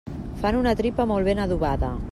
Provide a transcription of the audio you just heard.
Fan una tripa molt ben adobada.